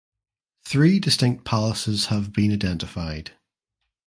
Three distinct palaces have been identified.